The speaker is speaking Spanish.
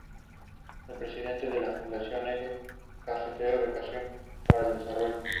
Inicialmente estudió medicina, física y química y, más tarde, filosofía y pintura en Múnich.